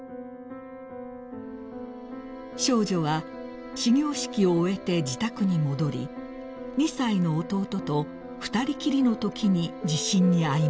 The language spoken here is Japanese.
［少女は始業式を終えて自宅に戻り２歳の弟と二人きりのときに地震に遭いました］